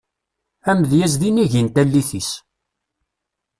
Amedyaz d inigi n tallit-is.